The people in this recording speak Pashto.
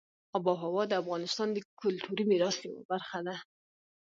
آب وهوا د افغانستان د کلتوري میراث یوه برخه ده.